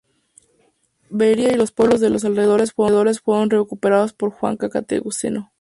Veria y los pueblos de los alrededores fueron recuperadas por Juan Cantacuceno.